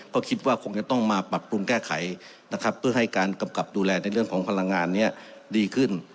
ก็คิดว่าคงจะต้องมาปรับปรุงแก้ไขนะครับเพื่อให้การกำกับดูแลในเรื่องของพลังงานนี้ดีขึ้น